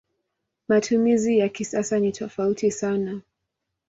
Matumizi ya kisasa ni tofauti sana.